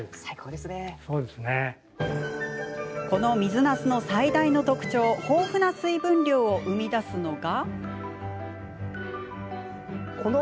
この水なすの最大の特徴豊富な水分量を生み出すのが。